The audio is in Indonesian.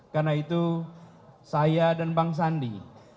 karena itu saya dan bang sandi